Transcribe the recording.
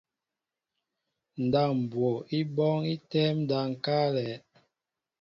Ndáp mbwo í bɔ́ɔ́ŋ í tɛ́ɛ́m ndáp ŋ̀káálɛ̄.